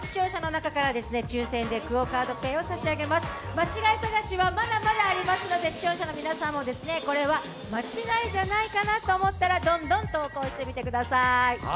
間違い探しはまだまだありますので、視聴者の皆さんもこれは間違いじゃないかなと思ったらどんどん投稿してみてください。